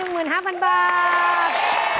๑๕หมื่นบาท